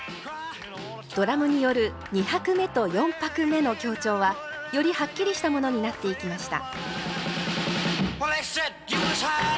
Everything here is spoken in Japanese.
ドラムによる２拍目と４拍目の強調はよりはっきりしたものになっていきました。